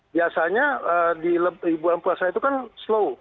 biasanya di bulan puasa itu kan slow